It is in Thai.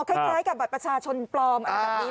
คล้ายกับบัตรประชาชนปลอมอะไรแบบนี้